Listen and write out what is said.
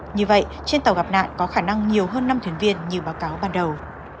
như vậy trên tàu gặp nạn có khả năng nhiều hơn năm thuyền viên như báo cáo ban đầu